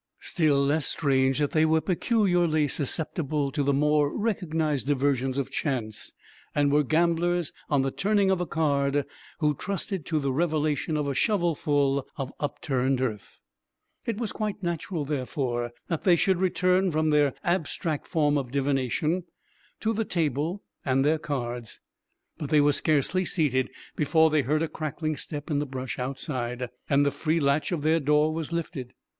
Still less strange that they were peculiarly susceptible to the more recognized diversions of chance, and were gamblers on the turning of a card who trusted to the revelation of a shovelful of upturned earth. It was quite natural, therefore, that they should return from their abstract form of divination to the table and their cards. But they were scarcely seated before they heard a crackling step in the brush outside, and the free latch of their door was lifted.